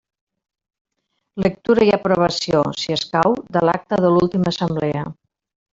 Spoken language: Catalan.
Lectura i aprovació, si escau, de l'acta de l'última assemblea.